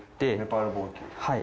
はい。